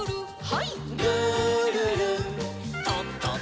はい。